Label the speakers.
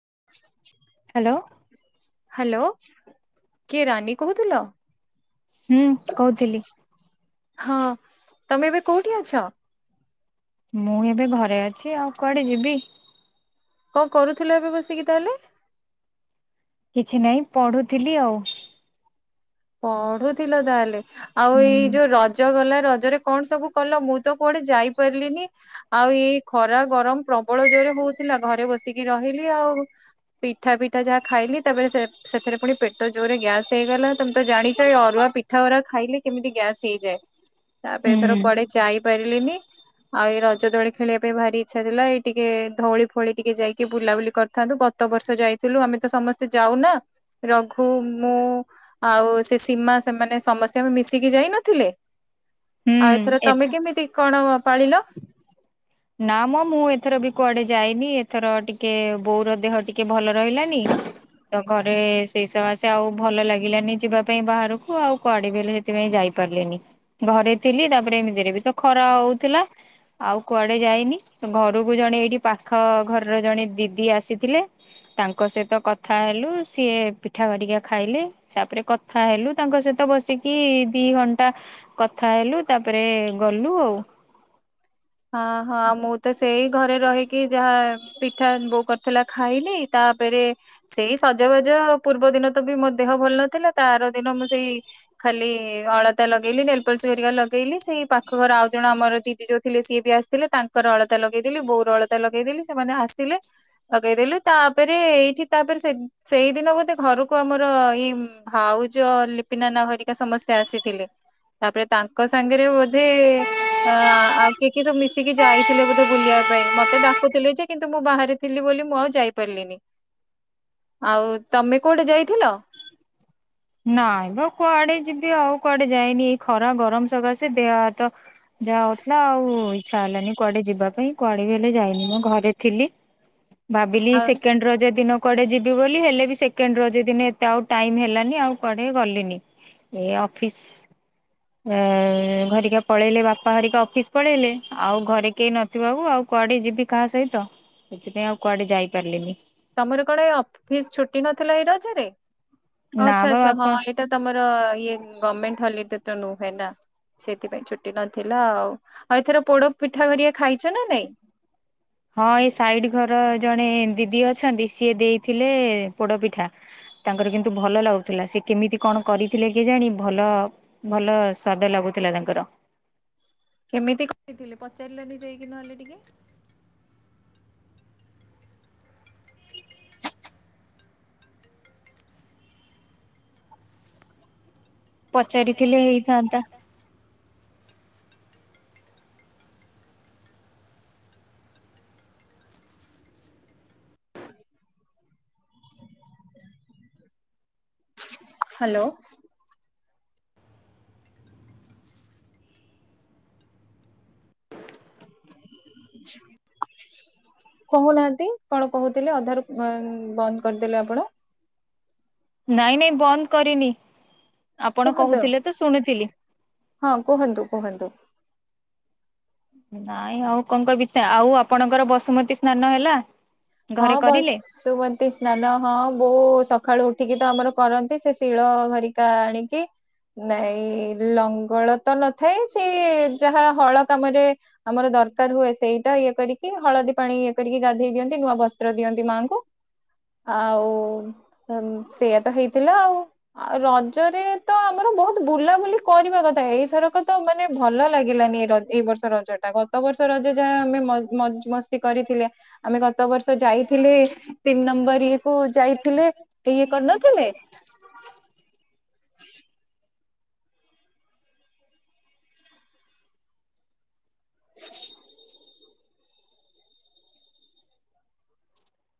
Speaker 1: [unintelligible]
Speaker 2: Hello
Speaker 1: hello କିଏ ରାନୀ କହୁଥିଲ।
Speaker 2: ହୁଁ କହୁଥିଲି।
Speaker 1: ହଁ ତମେ ଏବେ କୋଉଠି ଅଛ?
Speaker 2: ମୁଁ ଏବେ ଘରେ ଅଛି ଆଉ କୁଆଡ଼େ ଯିବି।
Speaker 1: କଣ କରୁଥିଲ ଏବେ ବସିକି ତାହେଲେ?
Speaker 2: କିଛି ନାହିଁ ପଢୁଥିଲି ଆଉ।
Speaker 1: ପଢୁଥିଲ ତାହେଲେ ଆଉ
Speaker 2: ହୁଁ
Speaker 1: ଏଇ ଯୋଉ ରଜ ଗଲା ର ରଜ ରେ କଣ ସବୁ କଲ ମୁଁ ତ କୁଆଡ଼େ ଯାଇ ପାରିଲିନି ଆଉ ଏଇ ଖରା ଗରମ ପ୍ରବଳ ଜୋରେ ହଉଥିଲା ଘରେ ବସିକି ରହିଲି ଆଉ। ପିଠା ପିଠା ଯାହା ଖାଇଲି ତାପରେ ସେ ସେଥିରେ ପୁଣି ପେଟ ଜୋରରେ ଗ୍ୟାସ୍ ହେଇଗଲା। ତମେ ତ ଜାଣିଛ ଏଇ ଅରୁଆ ପିଠା ଓରା ଖାଇଲେ କେମିତି ଗ୍ୟାସ୍ ହେଇଯାଏ ଆମେ
Speaker 2: ହୁଁ
Speaker 1: ଏଥର କୁଆଡେ ଯାଇ ପାରିଲିନି। ଆଉ ଏଇ ରଜ ଦୋଳି ଖେଳିବା ପାଇଁ ଭାରି ଇଚ୍ଛା ଥିଲା ଏଇ ଟିକେ ଧଉଳି ଫୋଉଳି ଟିକେ ଯାଇକି ବୁଲାବୁଲି କରିଥାନ୍ତୁ। ଗତବର୍ଷ ଯାଇଥିଲୁ ଆମେ ତ ସମସ୍ତେ ଯାଉନା ରଘୁ ମୁଁ ଆଉ ସେ ସୀମା ସେମାନେ ସମସ୍ତେ ଆମେ ମିଶିକି ଯାଇ ନଥିଲେ।
Speaker 2: ହୁଁ
Speaker 1: ଆଉ ଏଥର ତମେ
Speaker 2: ଏଥ
Speaker 1: କେମିତି କଣ ପାଳିଲ?
Speaker 2: ନା ମ ମୁଁ ଏଥର ବି କୁଆଡ଼େ ଯାଇନି ଏଥର ଟିକେ ବୋଉର ଦେହ ଟିକେ ଭଲ ରହିଲାନି। ତ ଘରେ ସେ ସକାସେ ଆଉ ଭଲ ଲାଗିଲାନି ଯିବା ପାଇଁ ବାହାରକୁ ଆଉ କୁଆଡ଼େ [unintelligible] ସେଥିପାଇଁ ଯାଇ ପାରିଲିନି ଘରେ ଥିଲି ତାପରେ ଏମିତିରେ ବି ତ ଖରା ହଉଥିଲା ଆଉ। କୁଆଡ଼େ ଯାଇନି ଘରକୁ ଜଣେ ଏଇଠି ପାଖ ଘରର ଜଣେ ଦିଦି ଆସିଥିଲେ। ତାଙ୍କ ସହିତ କଥା ହେଲୁ ସିଏ ପିଠା ହେରିକା ଖାଇଲେ ତାପରେ କଥା ହେଲୁ ତାଙ୍କ ସହି ତ ବସିକି ଦି ଘଣ୍ଟା କଥା ହେଲୁ ତାପରେ ଗଲୁ ଆଉ।
Speaker 1: ହଁ ହଁ ମୁଁ ତ ସେଇ ଘରେ ରହିକି ଯାହା ପିଠା ବୋଉ କରିଥିଲା ଖାଇଲି ତାପରେ ସେଇ ସଜବାଜ ତା ପୂର୍ବଦିନ ତ ବି ମୋ ଦେହ ଭଲ ନଥିଲା ତା ଆର ଦିନ ମୁଁ ସେଇ ଖାଲି ଅଳତା ଲଗେଇଲି। ନେଲପଲିସ୍ ଏରିକା ଲଗେଇଲି ସେଇ ପାଖ ଘର ଆଉ ଜଣ ଆମର ଦିଦି ଯେ ଥିଲେ ସିଏ ବି ଆସିଥିଲେ ତାଙ୍କର ଅଳତା ଲଗେଇଦେଲି ବୋଉର ଅଳତା ଲଗେଇଦେଲି ସେମାନେ ଆସିଲେ ଲଗେଇଦଲୁ ତା ତାପରେ ଏଇଠି ତାପରେ ସେ ସେଇଦିନ ବୋଧେ ଘରକୁ ଆମର ଏଇ ଭାଉଜ ଲିପି [unintelligible] ହେରିକା ସମସ୍ତେ ଆସିଥିଲେ ତାପରେ ତାଙ୍କ ସାଙ୍ଗରେ ବୋଧେ ଆ କିଏ କିଏ ସବୁ ମିଶିକି ଯାଇଥିଲେ ବୋଧେ ବୁଲିବା ପାଇଁ ମ ତେ ଡାକୁଥିଲି ଯେ କିନ୍ତୁ ମୁଁ ବାହାରେ ଥିଲି ବୋଲି ମୁଁ ଆଉ ଯାଇପାରିଲିନି। ଆଉ ତମେ କୁଆଡ଼େ ଯାଇଥିଲ?
Speaker 2: ନାଇଁ ବା କୁଆଡ଼େ ଯିବି ଆଉ କୁଆଡ଼େ ଯାଇନି ଏ ଖରା ଗରମ ସକାସେ ଦେହ ହାତ ଯାଉଥିଲା ଆଉ ଇଚ୍ଛା ହେଲାନି କୁଆଡେ ଯିବା ପାଇଁ କୁଆଡେ ବି ହେଲେ ଯାଇନି ମୁଁ ଘରେ ଥିଲି। [inaudible] ଭାବିଲି
Speaker 1: ଆଉ
Speaker 2: ସେକେଣ୍ଡ୍ ରଜ ଦିନ କୁଆଡ଼େ ଯିବି ବୋଲି ହେଲେ ବି ସେକେଣ୍ଡ୍ ରଜ ଦିନ ଏତେ ଆଉ ଟାଇମ୍ ହେଲାନି ଆଉ। କୁଆଡ଼େ ଗଲିନି ଏ ଅଫିସ୍ [unintelligible] ପଳେଇଲେ ବାପା ହେରିକା ଅଫିସ୍ ପଳେଇଲେ ଆଉ ଘରେ କେହି ନଥିବାକୁ ଆଉ। କୁଆଡ଼େ ଯିବି କାହା ସହିତ ସେଥିପାଇଁ ଆଉ କୁଆଡ଼େ ଯାଇ ପାରିଲିନି।
Speaker 1: ତମର କଣ ଏଇ ଅଫିସ୍ ଛୁଟି ନଥିଲା ଏଇ ରଜରେ
Speaker 2: ନା
Speaker 1: ଆଚ୍ଛା
Speaker 2: ବା
Speaker 1: ଆଚ୍ଛା ହଁ
Speaker 2: ବାପା
Speaker 1: ଏଇଟା ତମର ହଁ ଇଏ ଗମେଣ୍ଟ୍ ହଲିଡେ ତ ନୁହେଁ ନା। ସେଥିପାଇଁ ଛୁଟି ନଥିଲା ଆଉ ଆଉ ଏଥର ପୋଡ଼ ପିଠା [unintelligible] ଖାଇଛ ନା ନାଇଁ?
Speaker 2: ହଁ ଏ ସାଇଡି ଘର ଜଣେ ଦିଦି ଅଛନ୍ତି ସିଏ ଦେଇଥିଲେ ପୋଡ଼ ପିଠା। ତାଙ୍କର କିନ୍ତୁ ଭଲ ଲାଗୁଥିଲା ସେ କେମିତି କଣ କରିଥିଲେ କେଜାଣି ଭଲ ଭଲ ସ୍ଵାଦ ଲାଗୁ ଥିଲା ତାଙ୍କର।
Speaker 1: କେମିତି କରିଥିଲେ ପଚାରିଲନି ଯାଇକି ନହେଲେ ଟିକେ।
Speaker 2: ପଚାରିଥିଲେ ହେଇଥାନ୍ତା। [inaudible]
Speaker 1: ହ୍ୟାଲୋ। [inaudible] କହୁନାହାନ୍ତି କଣ କହୁଥିଲେ ଅଧାରୁ ବନ୍ଦ କରିଦେଲେ ଆପଣ?
Speaker 2: ନାଇଁ ନାଇଁ ବନ୍ଦ କରିନି। ଆପଣ
Speaker 1: କୁହନ୍ତୁ।
Speaker 2: କହୁଥିଲେ ତ ଶୁଣିଥିଲି।
Speaker 1: ହଁ କୁହନ୍ତୁ କୁହନ୍ତୁ।
Speaker 2: ନାଇଁ ଆଉ କଣ କଇବି ଆଉ ଆପଣଙ୍କର ବସୁମତୀ ସ୍ନାନ ହେଲା?
Speaker 1: ହଁ
Speaker 2: ଘରେ କରିଲେ?
Speaker 1: ବସୁମତି ସ୍ନାନ ହଁ ବଉ ସ ସଖାଳୁ ଉଠିକି ତ ଆମର କରନ୍ତି ସେ ଶିଳ ଘରିକା ଆଣିକି ନାଇଁ ଲଙ୍ଗଳ ତ ନଥାଏ ସେ ଯାହା ହଳ କାମରେ ଆମର ଦରକାର ହୁଏ ସେଇଟା ଇଏ କରିକି ହଳଦୀ ପାଣି ଇଏ କରିକି ଗାଧେଇ ଦିଅନ୍ତି ନୂଆ ବସ୍ତ୍ର ଦିଅନ୍ତି ମାଆଙ୍କୁ। ଆଉ ସେଇଆା ତ ହେଇଥିଲା ଆଉ ଆଉ ରଜରେ ତ ଆମର ବହୁତ ବୁଲାବୁଲି କରିବା କଥା ଏଇଥରକ ତ ମାନେ ଭଲ ଲାଗିଲାନି ର ଏ ଏଇ ବର୍ଷ ରଜଟା ଗତ ବ ବର୍ଷ ରଜ ଯାହା ଆମେ ମଜ ମସ୍ତି କରିଥିଲେ ଆମେଗ ଗତ ବର୍ଷ ଯାଇଥିଲେ ତିନି ନମ୍ବର ଇଏ କୁ ଯାଇଥିଲେ ଇଏ କରିନଥିଲେ?
Speaker 2: ହ [inaudible]
Speaker 1: [inaudible]